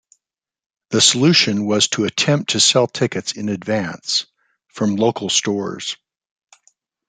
The solution was to attempt to sell tickets in advance, from local stores.